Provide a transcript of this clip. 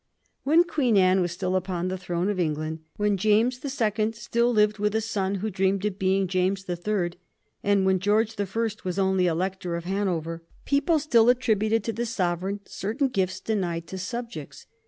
When Queen Anne was still upon the throne of England, when James the Second still lived with a son who dreamed of being James the Third, and when George the First was only Elector of Hanover, people still attributed to the sovereign certain gifts denied to subjects.